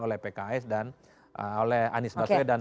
oleh pks dan oleh anies baswedan